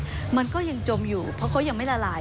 เป็นชิ้นส่วนเล็กมันก็ยังจมอยู่เพราะเขายังไม่ละลาย